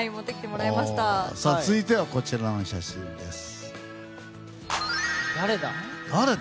続いては、こちらの写真です。